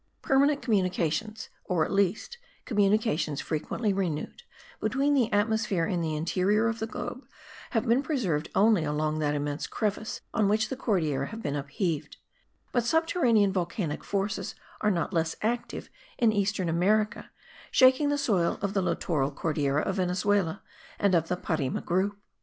Permanent communications, or at least communications frequently renewed, between the atmosphere and the interior of the globe, have been preserved only along that immense crevice on which the Cordilleras have been upheaved; but subterranean volcanic forces are not less active in eastern America, shaking the soil of the littoral Cordillera of Venezuela and of the Parime group.